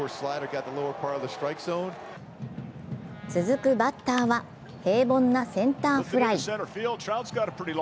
続くバッターは平凡なセンターフライ。